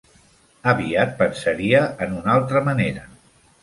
Aviat pensaria en una altra manera.